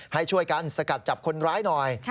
ให้ช่วยกันสกัดจับคนร้ายหน่อย